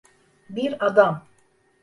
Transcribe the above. Bir adam…